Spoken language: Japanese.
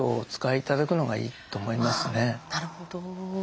なるほど。